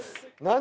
何？